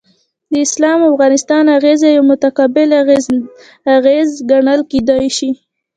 د اسلام او افغانستان اغیزه یو متقابل اغیز ګڼل کیدای شي.